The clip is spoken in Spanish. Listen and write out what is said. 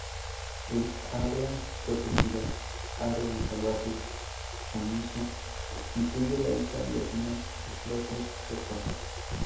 El área protegida —área salvaje Chamisso— incluye la isla y algunos islotes rocosos.